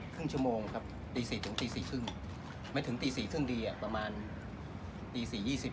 ครึ่งชั่วโมงครับตี๔๔๕ไม่ถึงตี๔๓๐หรือประมาณตี๔๒๐